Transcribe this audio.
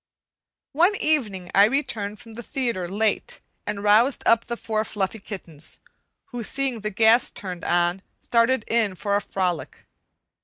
One evening I returned from the theatre late and roused up the four fluffy kittens, who, seeing the gas turned on, started in for a frolic.